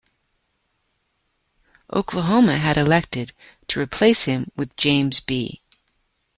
Oklahoma had elected to replace him with James B.